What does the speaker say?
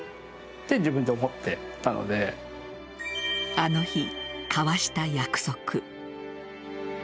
あの日、交わした約束。